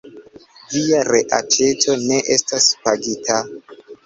Via reaĉeto ne estas pagita!